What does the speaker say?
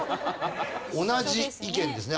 同じ意見ですね。